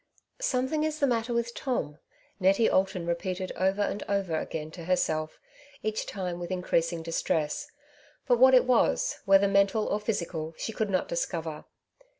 '^ Something is the matter with Tom/^ Nettie Alton repeated over and over agaiii to het'self, each time with increasing distress ; but what it was, whether mental or physical, she could not discover.